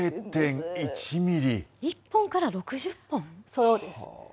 そうです。